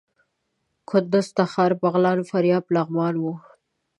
د کندوز، تخار، بغلان، فاریاب، لغمان وو.